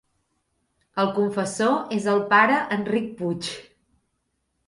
El confessor és el Pare Enric Puig.